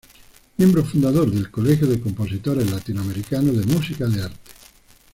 Miembro Fundador del Colegio de Compositores Latinoamericanos de Música de Arte.